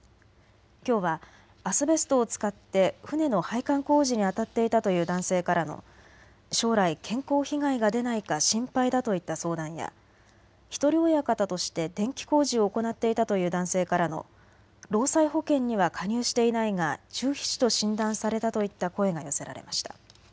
きょうはアスベストを使って船の配管工事にあたっていたという男性からの将来、健康被害が出ないか心配だといった相談や一人親方として電気工事を行っていたという男性からの労災保険には加入していないが中皮腫と診断されたといった声が寄せられました。